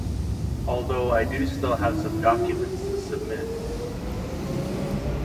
Although I do still have some documents to submit.